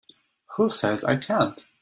Who says I can't?